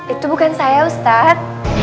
itu bukan saya ustaz